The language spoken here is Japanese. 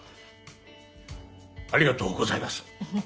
ありがとうございます。